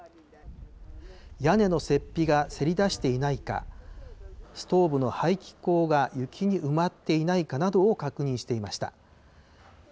屋根の雪ぴがせり出していないか、ストーブの排気口が雪に埋まっていないかなどを確認していました。